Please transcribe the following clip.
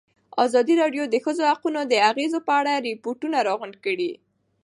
ازادي راډیو د د ښځو حقونه د اغېزو په اړه ریپوټونه راغونډ کړي.